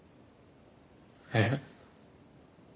えっ。